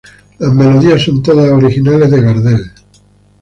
Las melodías son todas originales de Gardel.